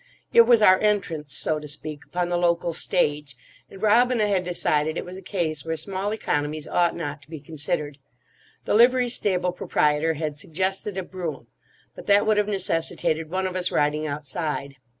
It was our entrance, so to speak, upon the local stage; and Robina had decided it was a case where small economies ought not to be considered. The livery stable proprietor had suggested a brougham, but that would have necessitated one of us riding outside.